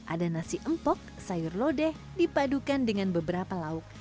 ada nasi empok sayur lodeh dipadukan dengan beberapa lauk